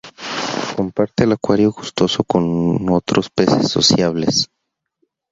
Comparte el acuario gustoso con otros peces sociables.